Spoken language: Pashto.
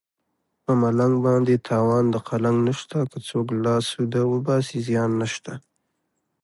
په ملنګ باندې تاوان د قلنګ نشته که څوک لاس سوده وباسي زیان نشته